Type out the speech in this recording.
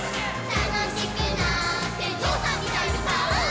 「たのしくなってぞうさんみたいにパオーン」